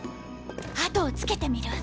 あとをつけてみる？